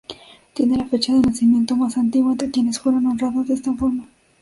Tiene la fecha de nacimiento más antigua entre quienes fueron honrados de esta forma.